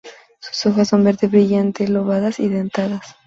Sus hojas son verde brillante, lobadas y dentadas.